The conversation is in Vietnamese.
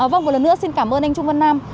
vâng một lần nữa xin cảm ơn anh trung văn nam